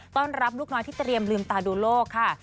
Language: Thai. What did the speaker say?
ต้อนรับลูกน้อยที่เตรียมลืมตาดูโลกค่ะ